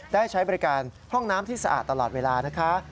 ได้ใช้บริการห้องน้ำที่สะอาดตลอดเวลานะคะ